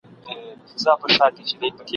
د توپانه ډکي وريځي !.